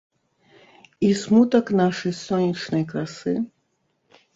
І смутак нашай сонечнай красы?